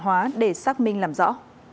hóa để xác minh làm rõ